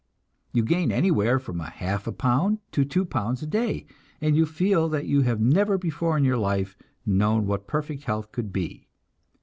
You gain anywhere from half a pound to two pounds a day, and you feel that you have never before in your life known what perfect health could be.